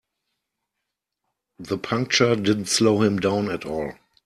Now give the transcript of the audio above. The puncture didn't slow him down at all.